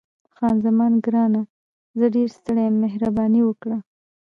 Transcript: خان زمان: ګرانه، زه ډېره ستړې یم، مهرباني وکړه.